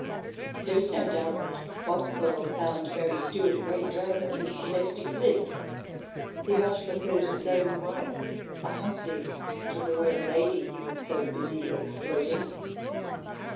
There is no doubt that Bothwell found Mary Stuart a great drag on his domestic bliss ; he much preferred his own wife, a Huntley, to the royal lady he was so busily exploiting.